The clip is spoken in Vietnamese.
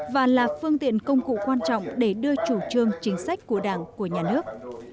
và là phương tiện công cụ quan trọng để đưa chủ trương chính sách của đảng của nhà nước